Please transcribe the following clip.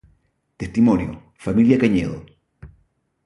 Testimonio: Familia Cañedo